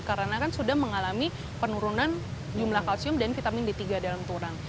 karena kan sudah mengalami penurunan jumlah kalsium dan vitamin d tiga dalam tulang